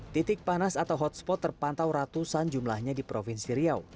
titik panas atau hotspot terpantau ratusan jumlahnya di provinsi riau